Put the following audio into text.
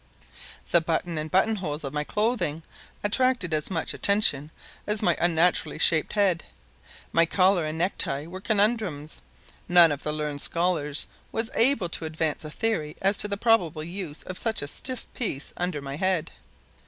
The button and button holes of my clothing attracted as much attention as my unnaturally shaped head. My collar and necktie were conundrums. Not one of the learned scholars was able to advance a theory as to the probable use of such a stiff piece under my head.